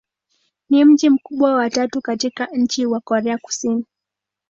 Ni mji mkubwa wa tatu katika nchi wa Korea Kusini.